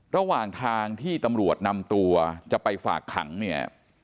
ระหว่างทางที่ตำรวจนำตัวจะไปฝากขังเนี่ย